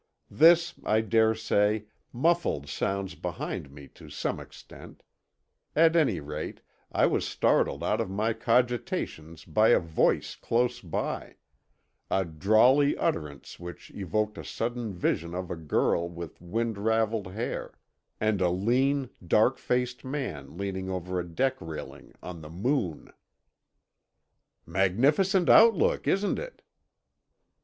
This, I daresay, muffled sounds behind me to some extent. At any rate, I was startled out of my cogitations by a voice close by—a drawly utterance which evoked a sudden vision of a girl with wind raveled hair, and a lean, dark faced man leaning over a deck railing on the Moon. "Magnificent outlook, isn't it?"